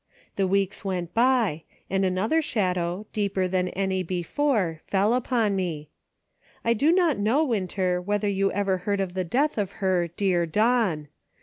The weeks went by, and another shadow, deeper than any before, fell upon me. I do not know, Winter, whether you ever heard of the death of her "dear Don."